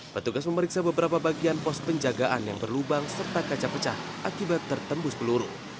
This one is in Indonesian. petugas memeriksa beberapa bagian pos penjagaan yang berlubang serta kaca pecah akibat tertembus peluru